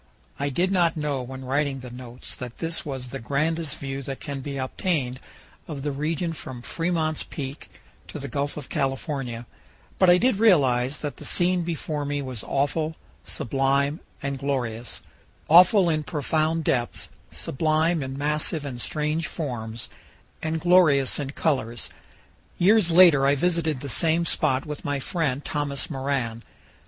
I did not know when writing the notes that this was the grandest view that can be obtained of the region from Fremont's Peak to the Gulf of California, but I did realize that the scene before me was awful, sublime, and glorious awful in profound depths, sublime in massive and strange forms, and glorious in colors. Years later I visited the same spot with my friend Thomas Moran.